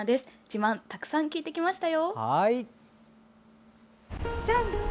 自慢たくさん聞いてきましたよ。